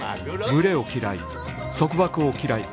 群れを嫌い束縛を嫌い